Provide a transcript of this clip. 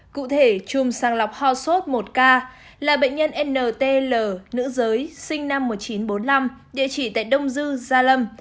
cụ thể chùm sang lọc ho suốt một ca là bệnh nhân ntl nữ giới sinh năm một nghìn chín trăm bốn mươi năm địa chỉ tại đông dư gia lâm